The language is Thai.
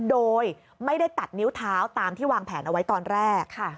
โดยไม่ได้ตัดนิ้วเท้าตามที่วางแผนเอาไว้ตอนแรก